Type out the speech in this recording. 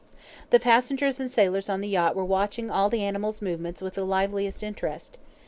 The passengers and sailors on the yacht were watching all the animal's movements with the liveliest interest.